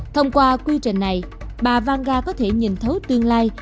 thông qua quy trình này bà vangar có thể nhìn thấu tương lai